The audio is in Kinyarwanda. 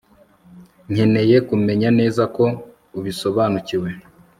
nkeneye kumenya neza ko ubisobanukiwe